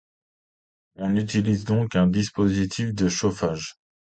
On utilise donc un dispositif de chauffage.